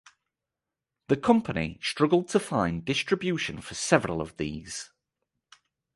The company struggled to find distribution for several of these.